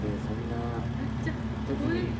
そんなときに。